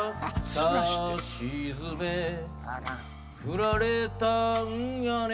さしずめ振られたんやね